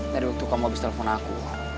dari waktu kamu habis telepon aku